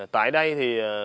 tại đây thì